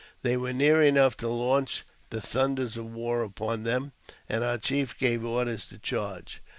They were near enough to launch the thunders of war upon them, and our chief gave orders to charge.